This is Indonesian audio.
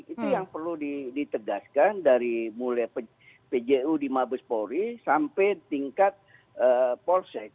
itu yang perlu ditegaskan dari mulai pju di mabes polri sampai tingkat polsek